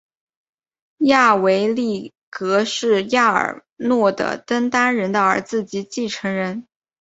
亚维力格是亚尔诺的登丹人的儿子及继承人。